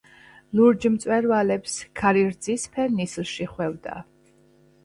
ლურჯ მწვერვალებს ქარი რძისფერ ნისლში ხვევდა.